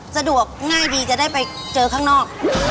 สะดวกง่ายดีจะได้ไปเจอข้างนอก